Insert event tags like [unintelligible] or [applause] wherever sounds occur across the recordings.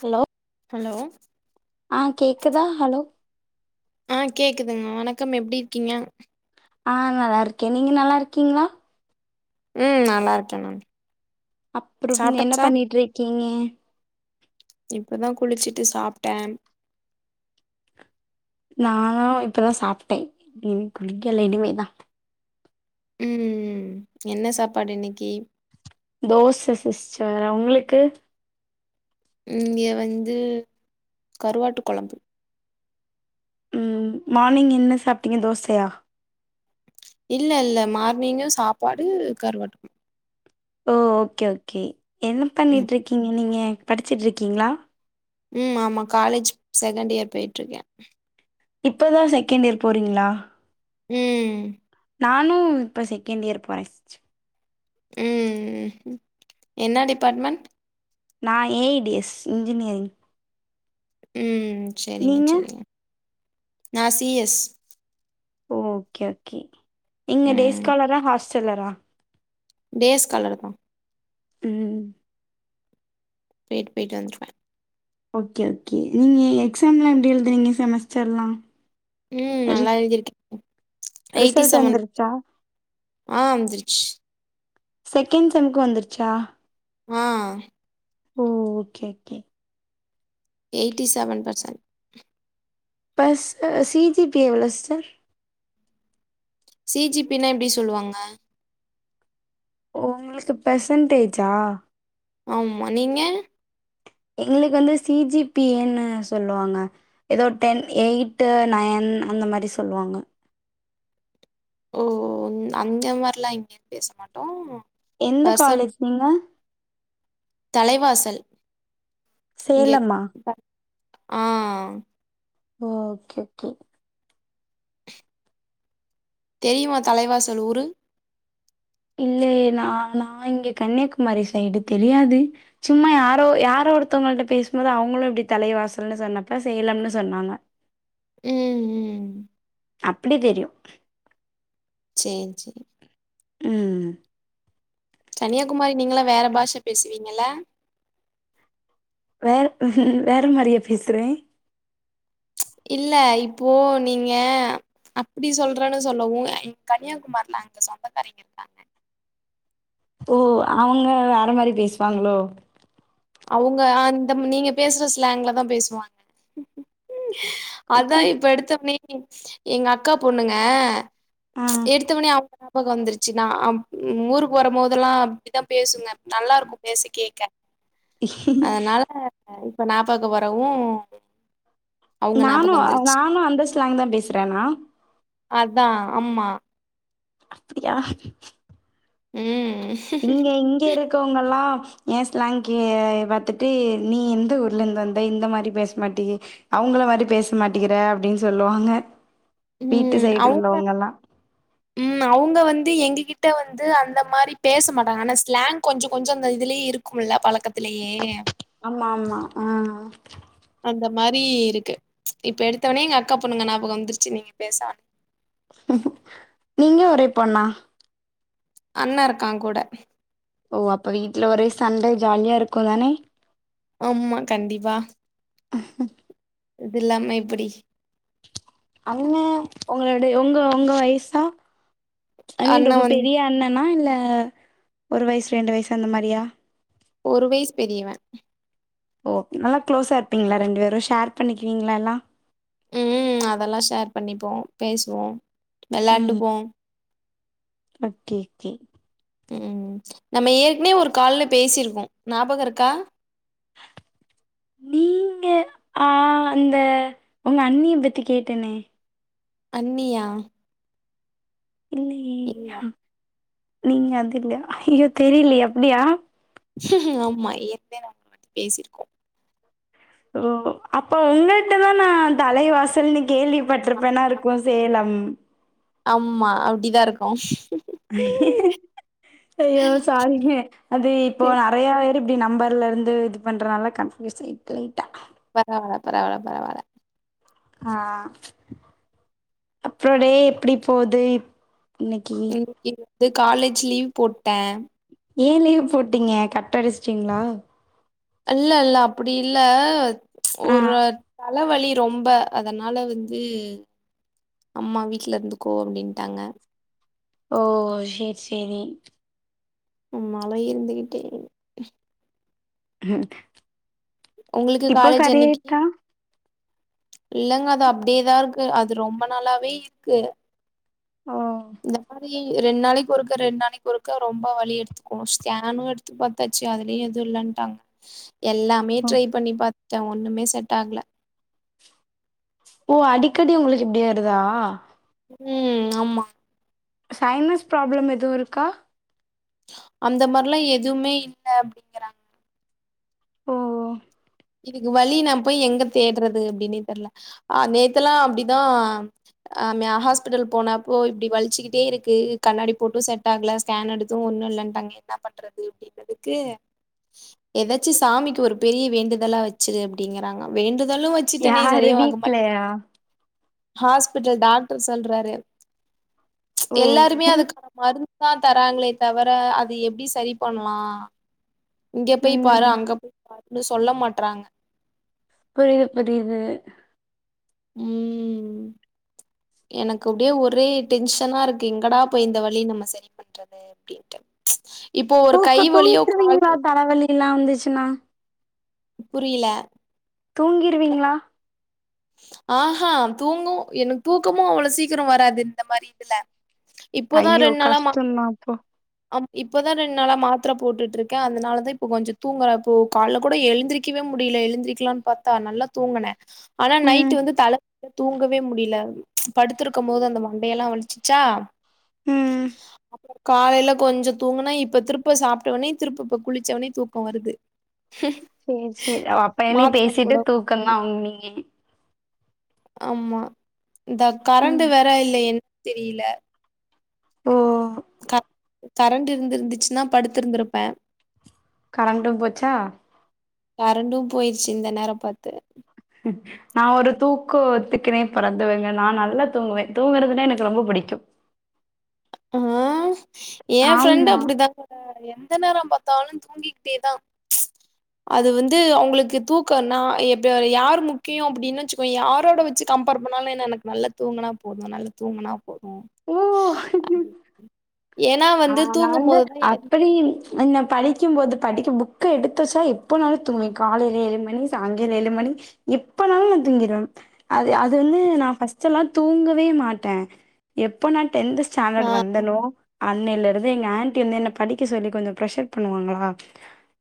Hello hello அ கேக்குதா hello அ கேக்குதுங் மா வணக்கம் எப்டி இருக்கீங்க ஆ நல்லா இருக்கே நீங்க நல்லா இருக்கீங்ளா ம் நல்லா இருக்க நா அப்புறம் என்ன பண்ணிட்டு இருக்கீங்க இப்பதா குளிச்சிட்டு சாப்ட்ட நானோ இப்பதா சாப்ட்டே இன்னு குளிக்கல இனிமேதா ம் என்ன சாப்பாடு இன்னக்கி தோச சிஸ்டர் உங்களுக்கு இங்க வந்து கருவாட்டு கொழம்பு ம் மார்னிங் என்ன சாப்ட்டீங்க தோசயா இல்ல இல்ல மார்னிங்ககோ சாப்பாடு கருவாட்டுக் கொழம்பு ஓ ஓகே ஓகே என்ன ம் பண்ணிட்டுருக்கீங்க நீங்க படிச்சிட்டுருக்கீங்ளா ம் ஆமா காலேஜ் செகண்ட் இயர் போயிட்டு இருக்க இப்பதா செகண்ட் இயர் போறீங்ளா ம் நானு இப்போ செகண்ட் இயர் போற சி ம் என்ன டிபார்ட்மென்ட் நா A I D S engineering ம் செரிங்க நீங்க செரிங்க நா சி எஸ் ஓகே ஓகே நீங்க டேஸ் ம் காலரா ஹாஸ்டல்லரா டேஸ்கால்லர் தா ம் பேய்ட் பேய்ட் வந்துருவே ஓகே ஒகே நீங்க எக்ஸாம்லா எப்டி எழுதுனிங்க செமஸ்டர்ல்லா ம் ரி நல்லா எழுதிருக்கே ரிசல்ட் வந்தருச்சா அ வந்திரிச்சு செகண்ட் செம்க்கு வந்துருச்சா அ ஒ okay okay eighty seven percent பஸ் சி ஜி பி எவ்ளோ சிஸ்டர் சி ஜி பி னா எப்டி சொல்லுவாங்க உங்களுக்கு பெர்சன்டேஜா ஆமா நீங்க எங்களுக்கு வந்து சி ஜி பி ஏ ன்னு சொல்லுவாங்க ஏதோ டென், எயி்ட் டு, நயன் அந்த மாரி சொல்லுவாங்க ஒ அந்த மாரிலா இங்க பேச மாட்டோ எந்த காலேஜ் நீங்க தலைவாசல் இங்க சேலமா? ப அ ஓகே ஓகே தெரியுமா தலைவாசல் ஊறு இல்லயே நா நா இங்க கன்னியாகுமாரி சைடு தெரியாது சும்மா யாரோ யாரோ ஒருத்தவங்கள்ட்ட பேசுபோது அவங்களு இப்டி தலைவாசல்ன்னு சொன்னப்ப சேலம்னு சொன்னாங்க [inaudible] ம் ம் அப்டி தெரியு சேரி சேரி ம் கன்னியாகுமாரி நீங்களா வேற பாஷ பேசுவீங்கல்ல வேற வேற மாரியா பேசுறே இல்ல இப்போ நீங்க அப்டி சொல்றேன்னு சொல்ல உ எ கன்னியாகுமார்ல அங்க சொந்தக்காரைங்க இருக்காங்க ஒ அவங்க வேற மாரி பேசுவாங்களோ அவங்க அ இந்த நீங்க பேசுற ஸ்லங்ல தா பேசுவாங்க அதா இப்ப எடுத்தவனே எங்க அக்கா பொண்ணுங்க ஆ எடுத்தவனே அவங்க நாபக வந்துருச்சு நா ஊருக்கு வரபோதெல்லா அப்டிதா பேசுங்க நல்லாருக்கு பேச கேட்க அதனால இப்ப நா பாக்க வரவு அவங்க நானு ஞாபகம் வந்துருச்சு நானு அந்த ஸ்லங் தா பேசுறேண்ணா அதா ஆமா அப்டியா ம் இங்க இங்க இருக்கவங்கள்லா ஏன் ஸ்லாங்கே பாத்துட்டு நீ எந்த ஊர்லேந்து வந்த இந்த மாரி பேச மாட்டேகி அவுங்கள மாரி பேச மாட்டேங்கிற அப்டின்னு சொல்லுவாங்க வீட்டு ம் சைடு அவுங்க உள்ளவங்கல்லா ம் அவுங்க வந்து எங்கக்கிட்ட வந்து அந்த மாரி பேச மாட்டாங்க ஆனா ஸ்லாங் கொஞ்சோ கொஞ்சோ அந்த இதுலயே இரு க்கும்ல பழக்கத்துலயே ஆமா ஆமா ஆ அந்த மாரி இருக்கு இப்ப எடுத்தோன்னே எங்க அக்கா பொண்ணுங்க ஞாபகோ வந்துருச்சு நீங்க பேச ஆரம் நீங்க ஒரே பொண்ணா அண்ணே இருக்கா கூட ஓ அப்போ வீட்ல ஒரே சண்ட ஜாலியா இருக்கு தானே ஆம்மா கண்டிப்பா இது இல்லாம எப்டி அண்ணா உங்கள விட உங்க உங்க வயிசா ஐ மீன் அண்ணா ரொம்போ வந்து பெரிய அண்ணனா இல்ல ஒரு வயஸ் ரெண்டு வயஸ் அந்த மாரியா ஒரு வயிஸ் பெரியவ ஓகே நல்லா க்ளோஸா இருப்பீங்களா ரெண்டு பேரு ஷேர் பண்ணிக்குவீங்களா எல்லா ம் அதலா ஷேர் பண்ணிப்போ பேசுவோ ம் வெளாண்டுப்போ ஓகே ஓகே ம் நம்ம ஏற்கனவே ஒரு கால்ல பேசிருக்கோ ஞாபக இருக்கா நீங்க ஆ அந்த உங்க அண்ணிய பத்தி கேட்டனே அண்ணியா இல்லையே இல்ல நீங்க அது இல்ல ஐய்யய்யோ தெரிலியே அப்டியா ஆமா ஏற்கனவே நம்ம [unintelligible] பேசிருக்கோ ஓ அப்ப உங்கள்ட்ட தா நா தலை வாசல்னு கேள்விப்பட்ருப்பேனா இருக்கு சேலம் ஆம்மா அப்டிதா இருக்கு அய்யோ சாரிங்க அது இப்போ நறையா பேர் இப்டி நம்பர்ல இருந்து இது பண்றனால கன்ஃயூஸ் ஆயிட்டு லைட்டா பரவால்ல பரவால்ல பரவால்ல ஆ அப்றோ டே எப்டி போது இப் இன்னக்கி [inaudible] வந்து காலேஜ் லீவ் போட்ட ஏ லீவ் போட்டீங்க கட் அடிச்சிட்டீங்களா இல்லல்ல அப்டி இல்ல ஆ ஒரு தலவலி ரொம்ப அதனால வந்து அம்மா வீட்ல இருந்துக்கோ அப்டின்ட்டாங்க ஓ செர் செரி ஆ மழையு இருந்துக்கிட்டே உங்களுக்கு இப்போ காலேஜ் சரி என்னைக்கு? ஆயிட்டா இல்லங்க அது அப்டே தா இருக்கு அது ரொம்ப நாளாவே இருக்கு ஓ இந்த மாரி ரெண் நாளைக்கி ஒருக்க ரெண் நாளைக்கி ஒருக்க ரொம்ப வலி எடுத் கோ ஸ்கேனு எடுத்து பாத்தாச்சு அதுலயு எதுவு இல்லட்டாங்க எல்லாமே ஓ ட்ரை பண்ணி பாத்துடே ஒண்ணுமே செட்டாகல ஓ அடிக்கடி உங்ளுக்கு இப்டி வருதா ம் ஆமா சைனஸ் ப்ராப்ளம் எதுவோ இருக்கா அந்த மாரிலா எதுவுமே இல்ல அப்டிங்கறாங்க ஓ ஓ இதுக்கு வலி நா போய் எங்க தேட்றது அப்டினே தெர்ல ஆ நேத்தலா அப்டிதா ஆ மியா ஹாஸ்பிட்டல் போனப்போ இப்டி வலிச்சிக்கிட்டே இருக்கு கண்ணாடி போட்டோ செட் ஆகல ஸ்கேன் எடுத்தோ ஒன்னோ இல்லன்ட்டாங்க என்ன பண்றது அப்டின்னதுக்கு எதாச்சு சாமிக்கு ஒரு பெரிய வேண்டுதலா வச்சுரு அப்டிங்குறாங்க வேண்டுதலு வச் சிடனே யாரு சரியாக மாட்டுது வீட்லயா ஹாஸ்பிட்டல் டாக்டர் சொல்றாரு ஓ எல்லாருமே அதுக்கான மருந்து துதா தராங்களே தவுர அது எப்டி சரி பண்ணலா இங்க போய் பாரு ம் அங்க போய் பாருன்னு சொல்ல மாட்றாங்க புரியுது புரியுது ம் ம் எனக்கு அப்டியே ஒரே டென்ஷனாருக்கு எங்கடா போய் இந்த வலி நம்ம சரி பண்றது அப்டின்ட்டு இப்போ ஒரு கை தூக்கு வலியோ கால் தூங்கிட்டுருவீங்களா தலைவலில்லா வந்துச்சுன்னா புரியல தூங்கிருவீங்களா ஆ ஹா தூங்கவு எனக்கு தூக்கமு அவ்ளோ சீக்கிரோ வராது இந்த மாரி இதுல இப்போதா ஐயோ ரெண்டு நாளா மா கஷ்டந்தா அப்போ ஆம் இப்போதா ரெண்டு நாளா மாத்தர போட்டுட்டு இருக்கே அதனாலதா இப்போ கொஞ்ச தூங்குறப்போ கால்ல கூட எழுந்திரக்கவே முடியல எழுந்திரிக்கலான்னு பாத்தா நல்லா தூங்குனே ஆனா நைட் ம் வந்து தல தூங்கவே முடியல படுத்திருக்கும் போது அந்த மண்டையெல்லா வலிச்சிச்சா ம் அப்பறோ காலையில கொஞ்சோ தூங்குனா இப்ப திருப்ப சாப்ட்டவோனே திரும்ப இப்ப குளிச்சோனே தூக்கோ வருது சேரி சேரி அப்ப இனி பேசிட்டு மாத்தாப்போட தூக்கோ தா உ நீங்க ஆமா இந்த கரண்ட் ம் வேற இல்லயேன்னு தெரியல ஓ ஓ க கரண்டு இருந்துச்சுன்னா படுத்துருந்துருப்பே கரண்டும் போச்சா கரண்டும் போயிருச்சு இந்த நேரோ பாத்து நா ஒரு தூக்கோ ஒத்துக்குனே பெறந்துவங்க நா நல்லா தூங்குவே தூங்குறதுன்னா எனக்கு ரொம்ப புடிக்கு ஆ எ ஃப்ரெண்டு் ஆமா அப்டிதா ஆ எந்த நேரோ பாத்தாலு தூங்கிக்கிட்டே தா அது வந்து அவங்களுக்கு தூக்கோ நா இப்ப யாரு முக்கியோ அப்டின்னு வச்சிங் இப்போ யாரோட வச்சு கம்பேர் பண்ணாலு எனக்கு நல்லா தூங்குனா போது நல்ல தூங்குனா போது ஓ ஏன்னா ஆ வந்து நா தூங்கும் வந்து போதுதா அப்டி இ என்ன படிக்கும்போது படிக்க புக்க எடுத்த வச்சா எப்போனாலு தூங்குவே காலையில ஏழுமணி சாய்ங்காலோ ஏழுமணி இப்பனாலு நா தூங்கிருவ அது அது வந்து நா ஃபஸ்ட் எல்லா தூங்கவே மாட்டே எப்ப நா டென்த் ஆ ஸ்டாண்டட் வந்தனோ அன்னையில இருந்து எங்க ஆன்டி வந்து என்ன படிக்க சொல்லி கொஞ்ச ப்ரெஷர் பண்ணுவாங்களா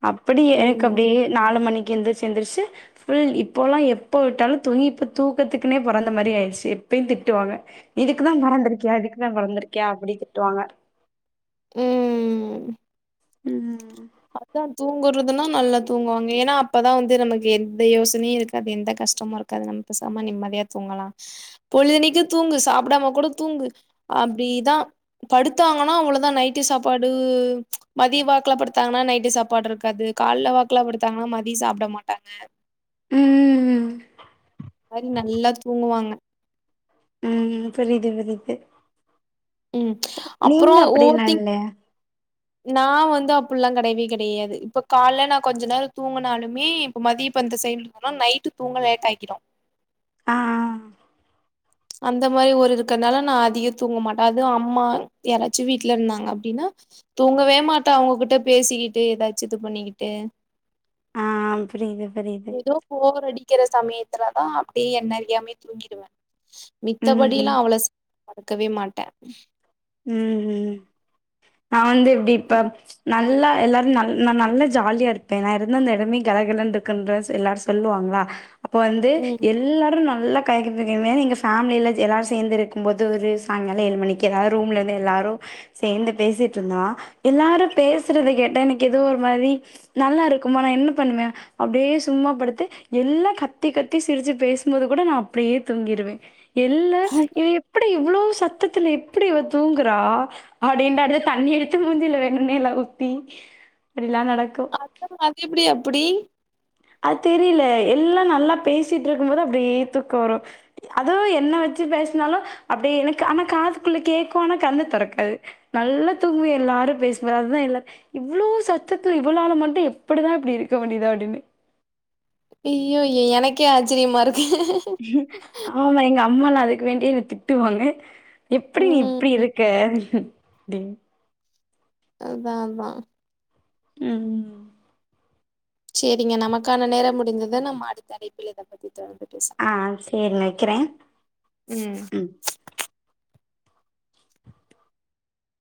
அப்டி எனக்கு ம் அப்டியே நாலு மணிக்கு எந்துருச்சு எந்துருச்சு ஃபுல் இப்போலா எப்போ விட்டாலு தூங்கி இப்ப தூக்கத்துக்குன்னே பொறந்த மாரி ஆயிருச்சு எப்பயு திட்டுவாங்க இதுக்கு தா பொறந்திருக்கியா இதுக்கு தா பொறந்திருக்கியா அப்டி திட்டுவாங்க ம் ம் ம் கரெக்டா தூங்கறதுன்னா நல்லா தூங்குவாங்க ஏனா அப்பதா வந்து நமக்கு எந்த யோசனையு இருக்காது அது எந்த கஷ்டமு இரு க்காது நம்ம பேசாம நிம்மதியா தூங்கலா பொழுதனைக்கு தூங்கு சாப்டாம கூட தூங்கு அப்டீதா படுத்தாங்கன்னா அவ்வளோதா நைட்டு சாப்பாடு மதிய வாக்கல படு த்தாங்கன்னா நைட்டு சாப்பாடு இருக்காது கால்ல வாக்குல படுத்தாங்கன்னா மதிய சாப்ட மாட்டாங்க ம் ம் ம் மாரி நல்லா தூங்குவாங்க ம் புரிது புரிது ம் நீங்க அப்றோ அப்டில்லா ஓவர் திங் இல்ல [inaudible] நா வந்து அப்புல்லா கடையவே கிடயாது இப்ப கால்ல நா கொஞ்ச நேரொ தூங்குனாலுமே இப்ப மதிய இப்ப இந்த சேம் ஆனா நைட்டு தூங்க லேட் ஆக்கிடு ஆ ஆ ஆ அந்த மாரி ஒரு இருக்கனால நா அதிகொ தூங்க மாட்ட அது அம்மா யாராச்சு வீட்ல இருந்தாங்க அப்டின்னா தூங்கவே மாட்டா அவங்ககுட்ட பேசிக்கிட்டு ஏதாச்சு இது பண்ணிக்கிட்டு ஆ புரியிது புரியிது ஏதோ போர் அடிக்கிற சமயத்துல தா அப்டி என்ன அறியாமயே தூங்கிடுவ மித்தபடிலா ம் அவ்ள ஸ் படுக்கவே மாட்ட ம் ம் நா வந்து எப்டி இப்ப நல்லா எல்லாரு நல் நா நல்லா ஜாலியா இருப்ப நா இருந்தா அந்த எடமே கலகலன்ருக்குன்ற சொ எல்லாரு சொல்லுவாங்களா அப்ப வந்து ம் எல்லாரு நல்லா கயக்கிதுகெங்க எங்க ஃபேமிலில எல்லாரு சேந்து இருக்கும் போது ஒரு சாங்னால ஏழு மணிக்கு எல்லாரு ரூம்லருந்து எல்லாரு சேந்து பேசிட்ருந்தொ எல்லாரு பேசுறத கேட்டா எனக்கு ஏதோ ஒரு மாரி நல்லாருக்குமா நா என்ன பண்ணுவ அப்டியே சும்மா படுத்து எல்லா கத்தி கத்தி சிரிச்சு பேசும்போது கூட நா அப்டியே தூங்கிடுவே என்ன ஹவ் இவ எப்டி இவ்ளோ சத்தத்துல எ ப்டி இவ தூங்குறா அடின்னாரு தண்ணி எடுத்து மூஞ்சில வேணுனே எல்லா ஊத்தி இப்டில்லா நடக்கு சத்தத்துல அது எப்டி அப்டி அ தெரில எல்லா நல்லா பேசிட்ருக்கும் போது அப்டியே துக்கொ வரு அதே என்ன வச்சு பேஸ்னாலு அப்டியே எனக்கு ஆனா காதுக்குள்ள கேக்கு ஆனா கண்ணு தெறக்காது நல்லா தூங்குவ எல்லாரு பேசுவாவ எல்லா இவ்ளொ சத்தத்துல இவளால மட்டு எப்புடிதா இப்டி இருக்க முடிதோ அப்டின்னு இய்யயோ எனக்கே ஆச்சிரியமா இருக்கு ஆமா எங்க அம்மாலா அதுக்கு வேண்டியே என்ன திட்டுவாங்க எப்டி ம் இப்டி ம். இருக்க அப்டினு அதா அதா ம் செரிங்க நமக்கான நேரொ முடிஞ்சது நம்ம அடுத்த அழைப்புல இத பத்தி தொடர்ந்து ஆ பேசனு சேரிங்க வெக்கிறே ம்